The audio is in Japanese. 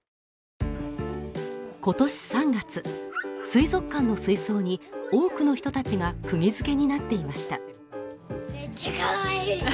今年３月水族館の水槽に多くの人たちが釘付けになっていました